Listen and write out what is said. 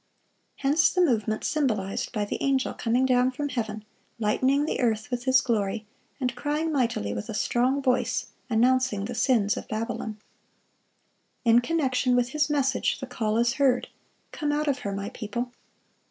Hence the movement symbolized by the angel coming down from heaven, lightening the earth with his glory, and crying mightily with a strong voice, announcing the sins of Babylon. In connection with his message the call is heard, "Come out of her, My people."